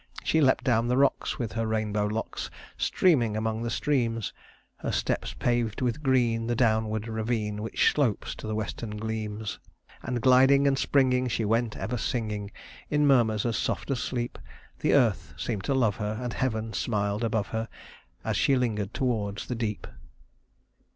She leapt down the rocks, With her rainbow locks Streaming among the streams; Her steps paved with green The downward ravine Which slopes to the western gleams: And gliding and springing She went ever singing, In murmurs as soft as sleep; The earth seemed to love her, And Heaven smiled above her, As she lingered toward the deep."